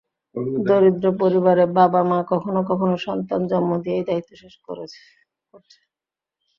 দরিদ্র পরিবারে বাবা-মা কখনো কখনো সন্তান জন্ম দিয়েই দায়িত্ব শেষ করছে।